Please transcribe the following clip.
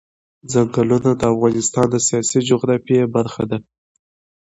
ځنګلونه د افغانستان د سیاسي جغرافیه برخه ده.